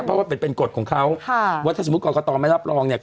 เพราะว่าเป็นเป็นกฎของเขาค่ะว่าถ้าสมมุติกรกตไม่รับรองเนี่ย